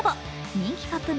人気カップ麺